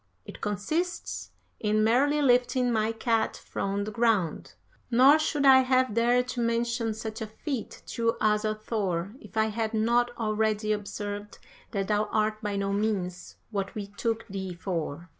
It consists in merely lifting my cat from the ground, nor should I have dared to mention such a feat to Asa Thor if I had not already observed that thou art by no means what we took thee for.'